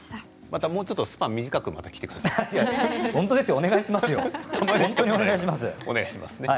またもうちょっとスパン短く来てくださいね。